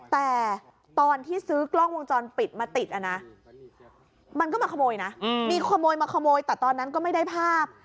แต่ตอนที่ซื้อกล้องวงจรปิดมาติดนะมันก็มาขโมยนะมีขโมยมาขโมยแต่ตอนนั้นก็ไม่ได้ภาพ